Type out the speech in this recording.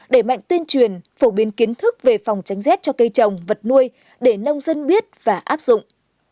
đẩy mạnh tuyên truyền phổ biến kiến thức về phòng tránh rét cho cây trồng vật nuôi để nông dân biết và áp dụng